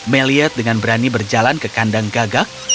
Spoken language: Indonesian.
meliad dengan berani berjalan ke kandang gagak